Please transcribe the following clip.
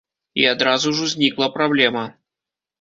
І адразу ж узнікла праблема.